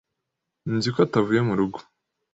Nzi ko atavuye mu rugo.